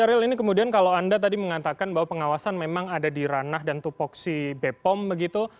pak cyril ini kemudian kalau anda tadi mengatakan bahwa pengawasan memang ada di ranah dan topoksi b pom begitu